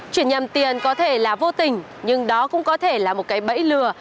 chuyển nhầm tiền có thể là vô tình nhưng đó cũng có thể là một cái bẫy lừa